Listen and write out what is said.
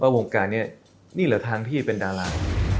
ว่าวงการเนี่ยนี่แหละทางที่เป็นดารา